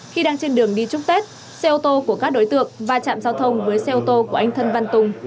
khi đang trên đường đi chúc tết xe ô tô của các đối tượng va chạm giao thông với xe ô tô của anh thân văn tùng